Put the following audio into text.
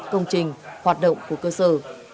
công trình hoạt động của cơ sở